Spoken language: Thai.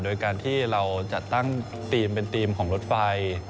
โดยการที่เราจัดตั้งทีมเป็นธีมของรถไฟ